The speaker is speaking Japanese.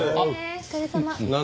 お疲れさまです。